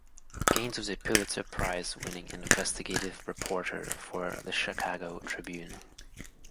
Gaines was a Pulitzer Prize-winning investigative reporter for the "Chicago Tribune".